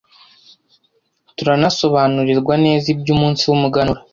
Turanasobanurirwa neza iby’umunsi w’umuganura